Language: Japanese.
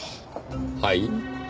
はい？